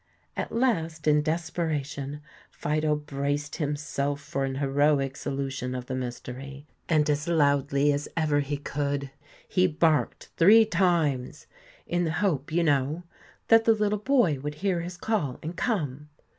At last in desperation Fido braced himself for an heroic solution of the mystery, and as loudly as ever he could, he barked three times, in the hope, you know, that the little boy would hear his call and come.